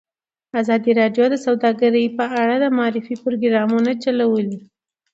ازادي راډیو د سوداګري په اړه د معارفې پروګرامونه چلولي.